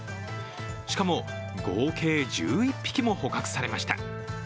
しかも、合計１１匹も捕獲されました